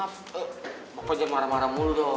pak pajar marah marah mulu